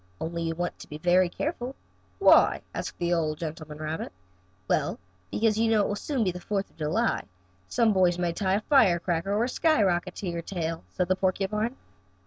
Only you want to be very careful." "Why?" asked the old gentleman rabbit. "Well, because you know it will soon be the Fourth of July, and some boys may tie a firecracker or a skyrocket to your tail," said the porcupine.